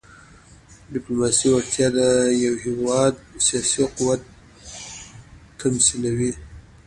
د ډيپلوماسۍ وړتیا د یو هېواد سیاسي قوت تمثیلوي.